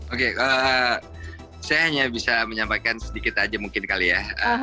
oke saya hanya bisa menyampaikan sedikit aja mungkin kali ya